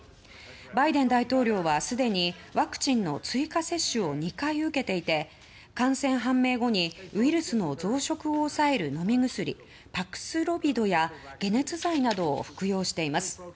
バイデン大統領はすでにワクチンの追加接種を２回受けていて感染判明後にウイルスの増殖を抑える飲み薬パクスロビドや解熱剤などを服用しています。